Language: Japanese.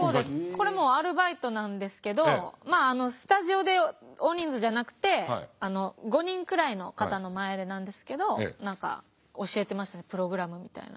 これもアルバイトなんですけどまあスタジオで大人数じゃなくて５人くらいの方の前でなんですけど何か教えてましたねプログラムみたいな。